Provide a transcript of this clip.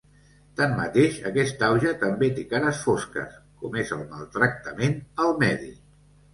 Tanmateix, aquest auge també té cares fosques, com és el maltractament al medi.